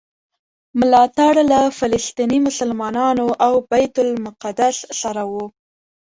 ملاتړ له فلسطیني مسلمانانو او بیت المقدس سره و.